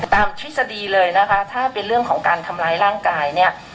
ทฤษฎีเลยนะคะถ้าเป็นเรื่องของการทำร้ายร่างกายเนี่ย